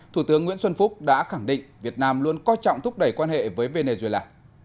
thủ tướng nguyễn xuân phúc đã khẳng định việt nam luôn coi trọng thúc đẩy quan hệ với venezuela